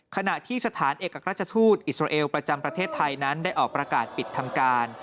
ขณะที่สถานเอกราชทูตอิสราเอลประจำประเทศไทยนั้นได้ออกประกาศปิดทำการ